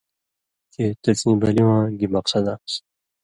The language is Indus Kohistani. چےۡ تسیں بلی واں گی مقصد آن٘س۔